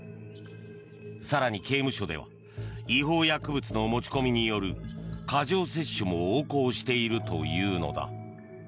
更に、刑務所では違法薬物の持ち込みによる過剰摂取も横行しているというのだ。